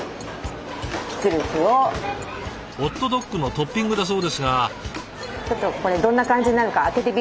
ホットドッグのトッピングだそうですが。